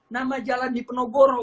nama jalan dipenogoro